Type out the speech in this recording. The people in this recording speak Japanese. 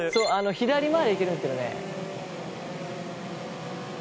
左回りいけるんですけどね」